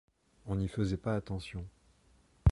On n’y faisait pas attention.